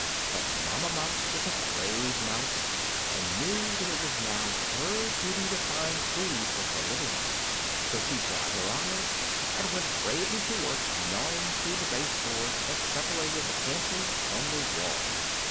But Mamma Mouse was a brave mouse, and knew that it was now her duty to find food for her little ones; so she dried her eyes and went bravely to work gnawing through the base board that separated the pantry from the wall.